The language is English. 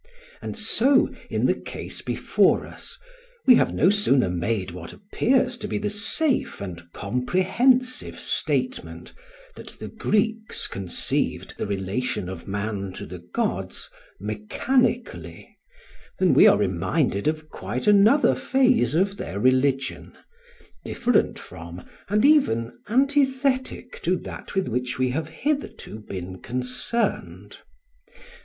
And so, in the case before us, we have no sooner made what appears to be the safe and comprehensive statement that the Greeks conceived the relation of man to the gods mechanically, than we are reminded of quite another phase of their religion, different from and even antithetic to that with which we have hitherto been concerned.